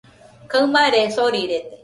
Kaɨmare sorirede.